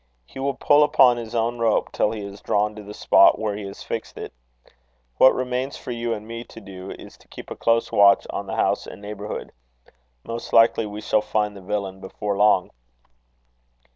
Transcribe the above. He will pull upon his own rope till he is drawn to the spot where he has fixed it. What remains for you and me to do, is to keep a close watch on the house and neighbourhood. Most likely we shall find the villain before long."